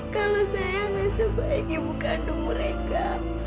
kalau saya gak sebaik ibu kandung mereka